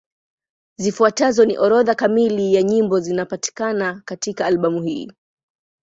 Zifuatazo ni orodha kamili ya nyimbo zinapatikana katika albamu hii.